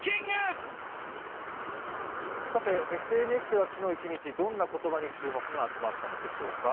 ＳＮＳでは昨日一日どんな言葉に注目が集まったのでしょうか。